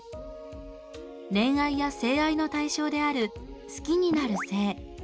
恋愛や性愛の対象である「好きになる性」。